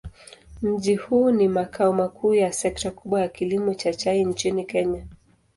Mji huu ni makao makuu ya sekta kubwa ya kilimo cha chai nchini Kenya.